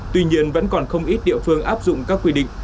tuy nhiên vẫn còn không ít địa phương áp dụng các quy định